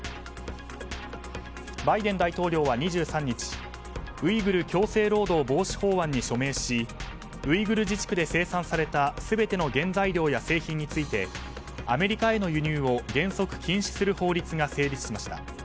バイデン大統領は２３日ウイグル強制労働防止法案に署名しウイグル自治区で生産された全ての原材料や製品についてアメリカへの輸入を原則禁止する法律が成立しました。